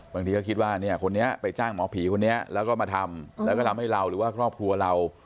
บางทีก็คิดว่าเนี่ยคนนี้ไปจ้างหมอผีคนนี้แล้วก็มาทำแล้วก็ทำให้เราหรือว่าครอบครัวเรา